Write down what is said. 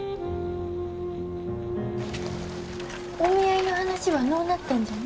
お見合いの話はのうなったんじゃね？